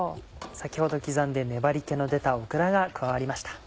先ほど刻んで粘り気の出たオクラが加わりました。